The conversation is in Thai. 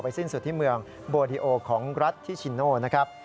สิ้นสุดที่เมืองโบดิโอของรัฐทิชิโนนะครับ